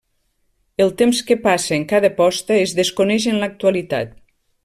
El temps que passa entre cada posta es desconeix en l'actualitat.